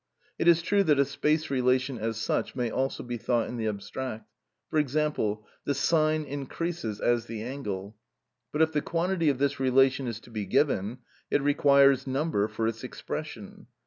It is true that a space relation as such may also be thought in the abstract; for example, "the sine increases as the angle," but if the quantity of this relation is to be given, it requires number for its expression.